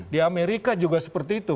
di amerika juga seperti itu